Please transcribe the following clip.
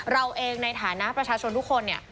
เราเองในฐานะประชาชนทุกคนเนี่ย